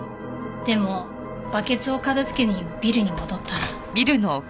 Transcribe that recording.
でもバケツを片付けにビルに戻ったら。